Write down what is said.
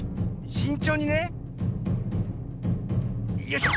しんちょうにね。よいしょ。